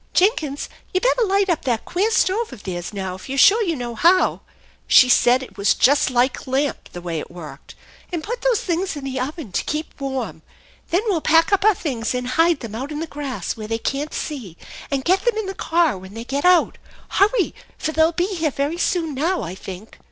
" Jenkins, you better light up that queer stove of theirs now if you're sure you know how, she said it was just like a lamp the way it worked, and put those things in the oven to keep warm. Then we'll pack up our things, and hide them out in the grass where they can't see, and get them in the car when they get out. Hurry, for they'll be here very soon now, I think."